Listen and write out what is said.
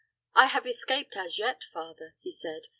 "I have escaped as yet, father," he said.